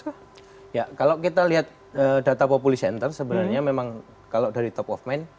ya kalau kita lihat data populi center sebenarnya memang kalau dari top of mind